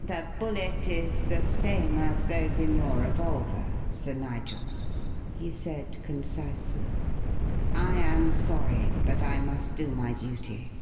"The bullet is the same as those in your revolver, Sir Nigel," he said, concisely. "I am sorry, but I must do my duty.